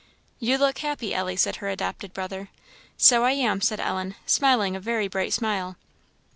"You look happy, Ellie," said her adopted brother. "So I am," said Ellen, smiling a very bright smile.